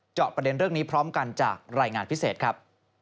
ประเด็นเรื่องนี้พร้อมกันจากรายงานพิเศษครับ